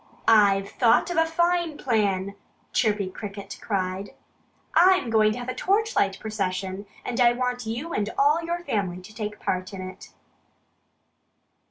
"I've thought of a fine plan!" Chirpy Cricket cried. "I'm going to have a torchlight procession and I want you and all your family to take part in it."